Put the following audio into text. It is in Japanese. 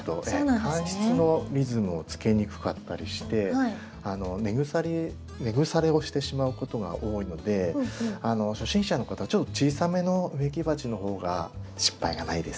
乾湿のリズムをつけにくかったりして根腐れをしてしまうことが多いので初心者の方はちょっと小さめの植木鉢の方が失敗がないです。